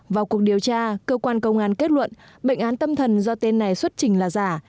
vào cuộc điều tra cơ quan công an kết luận bệnh án tâm thần do tên này xuất trình là giả